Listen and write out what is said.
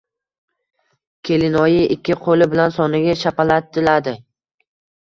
Kelinoyi ikki qo‘li bilan soniga shapatiladi.